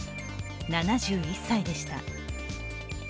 ７１歳でした。